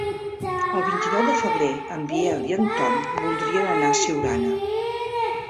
El vint-i-nou de febrer en Biel i en Tom voldrien anar a Siurana.